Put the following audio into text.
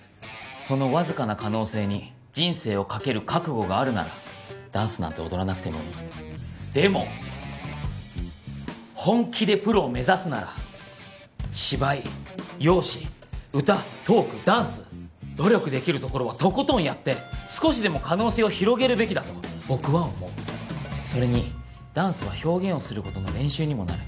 そのわずかな可能性に人生をかける覚悟があるならダンスなんて踊らなくてもいいでも本気でプロを目指すなら芝居容姿歌トークダンス努力できるところはとことんやって少しでも可能性を広げるべきだと僕は思うそれにダンスは表現をすることの練習にもなる